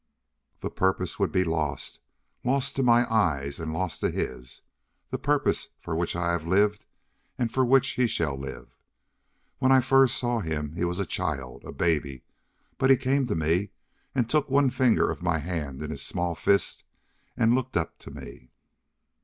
"The purpose would be lost lost to my eyes and lost to his the purpose for which I have lived and for which he shall live. When I first saw him he was a child, a baby, but he came to me and took one finger of my hand in his small fist and looked up to me.